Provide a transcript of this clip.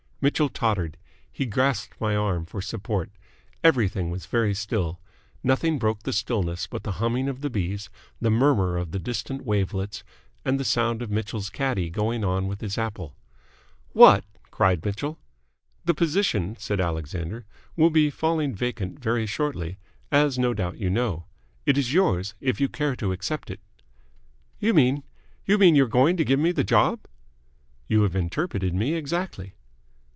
Mitchell tottered. He grasped my arm for support. Everything was very still. Nothing broke the stillness but the humming of the bees, the murmur of the distant wavelets, and the sound of Mitchell's caddie going on with his apple. "What!" cried Mitchell. "The position," said Alexander, "will be falling vacant very shortly, as no doubt you know. It is yours, if you care to accept it." "You mean you mean you're going to give me the job?" "You have interpreted me exactly."